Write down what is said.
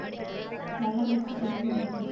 வல்லவனுக்கு புல்லும் ஆயுதம்.